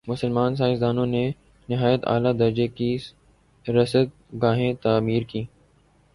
مسلمان سائنسدانوں نے نہایت عالیٰ درجہ کی رصدگاہیں تعمیر کیں